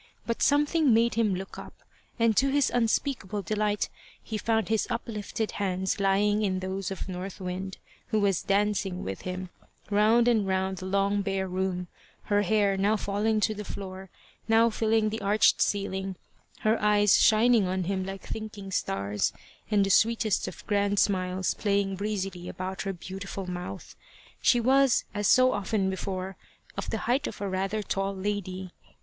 But something made him look up, and to his unspeakable delight, he found his uplifted hands lying in those of North Wind, who was dancing with him, round and round the long bare room, her hair now falling to the floor, now filling the arched ceiling, her eyes shining on him like thinking stars, and the sweetest of grand smiles playing breezily about her beautiful mouth. She was, as so often before, of the height of a rather tall lady.